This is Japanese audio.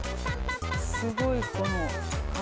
すごい。